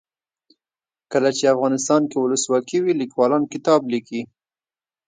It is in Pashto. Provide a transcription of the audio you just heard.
کله چې افغانستان کې ولسواکي وي لیکوالان کتاب لیکي.